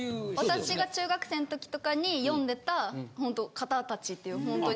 私が中学生の時とかに読んでたほんと方達っていうほんとに。